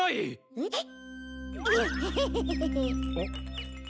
えっ？